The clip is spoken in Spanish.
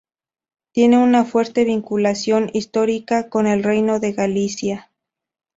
Tiene una fuerte vinculación histórica con el Reino de Galicia.